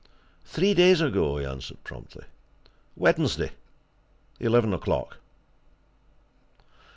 "Three days ago," he answered promptly. "Wednesday eleven o'clock."